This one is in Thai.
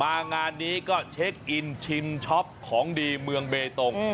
งานนี้ก็เช็คอินชินช็อปของดีเมืองเบตง